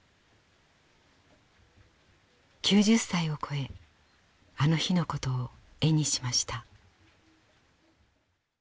９０歳をこえあの日のことを絵にしました。